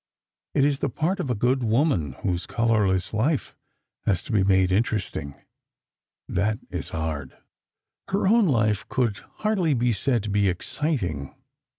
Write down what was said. It is the part of a good woman, whose colorless life has to be made interesting, that is hard." Her own life could hardly be said to be exciting.